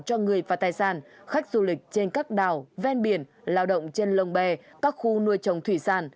cho người và tài sản khách du lịch trên các đảo ven biển lao động trên lồng bè các khu nuôi trồng thủy sản